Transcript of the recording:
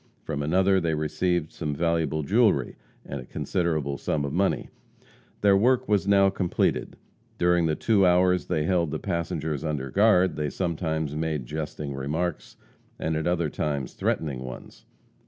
From another they received some valuable jewelry, and a considerable sum of money. Their work was now completed. During the two hours they held the passengers under guard, they sometimes made jesting remarks, and at other times threatening ones.